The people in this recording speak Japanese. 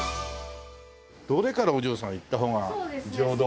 どれからお嬢さんいった方が常道？